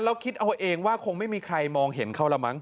คิดเอาเองว่าคงไม่มีใครมองเห็นเขาแล้วมั้